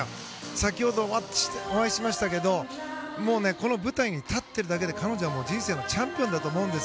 先ほどお会いしましたけどこの舞台に立っているだけで彼女は人生のチャンピオンだと思うんです。